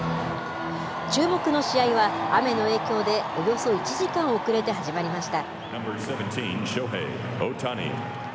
注目の試合は、雨の影響でおよそ１時間遅れて始まりました。